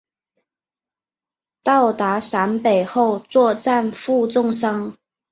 到达陕北后作战负重伤。